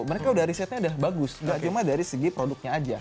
mereka sudah risetnya sudah bagus tidak cuma dari segi produknya saja